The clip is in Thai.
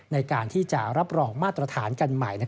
ในการที่จะรับรองมาตรฐานกันใหม่